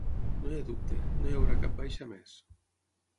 No hi ha dubte, no hi haurà cap baixa més.